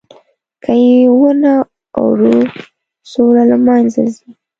که یې ونه اورو، سوله له منځه ځي.